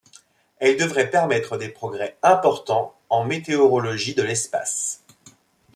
Elle devrait permettre des progrès important en météorologie de l'espace.